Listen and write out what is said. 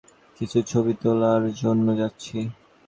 কিছু ছবি তোলার জন্য যাচ্ছি।